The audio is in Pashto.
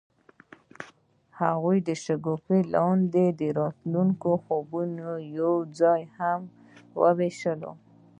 هغوی د شګوفه لاندې د راتلونکي خوبونه یوځای هم وویشل.